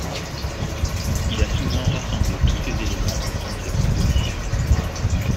Il a souvent rassemblé tous ces éléments au sein de ses compositions.